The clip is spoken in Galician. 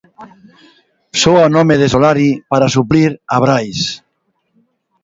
Soa o nome de Solari para suplir a Brais.